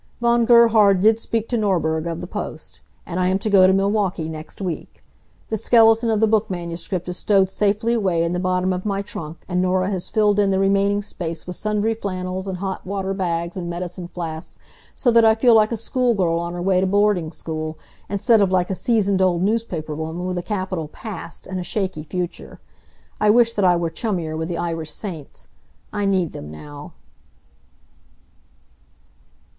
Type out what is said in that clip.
Von Gerhard did speak to Norberg of the Post. And I am to go to Milwaukee next week. The skeleton of the book manuscript is stowed safely away in the bottom of my trunk and Norah has filled in the remaining space with sundry flannels, and hot water bags and medicine flasks, so that I feel like a schoolgirl on her way to boarding school, instead of like a seasoned old newspaper woman with a capital PAST and a shaky future. I wish that I were chummier with the Irish saints. I need them now.